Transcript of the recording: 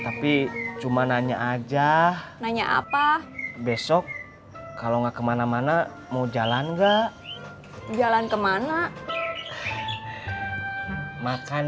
tapi cuma nanya aja nanya apa besok kalau nggak kemana mana mau jalan enggak jalan kemana makan